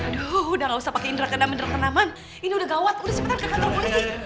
aduh udah gak usah pake indera kenaman indera kenaman ini udah gawat udah cepetan ke kantor polisi